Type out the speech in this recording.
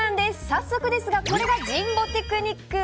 早速ですがこれが神保テクニック。